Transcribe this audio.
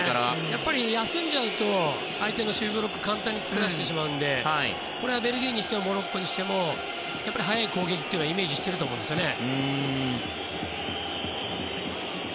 やはり、休んじゃうと相手に守備ブロックを簡単に作らせてしまうのでベルギーにしてもモロッコにしても速い攻撃というのはイメージしてると思いますよね。